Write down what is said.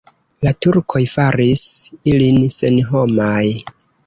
La turkoj faris ilin senhomaj.